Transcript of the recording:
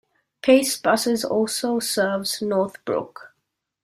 Pace buses also serves Northbrook.